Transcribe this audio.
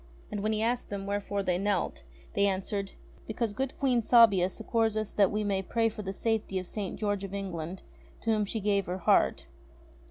And when he asked them wherefore they knelt, they answered : "Because good Queen Sabia succours us that we may pray for the safety of St. George of England, to whom she gave her heart."